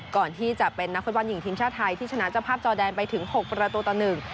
ก่อนที่จะเป็นนักฟุตบอลหญิงทีมชาติไทยที่ชนะเจ้าภาพจอแดนไปถึง๖ประตูต่อหนึ่ง